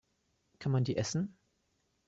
Kann man die essen?